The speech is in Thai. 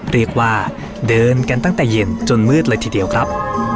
เรียกว่าเดินกันตั้งแต่เย็นจนมืดเลยทีเดียวครับ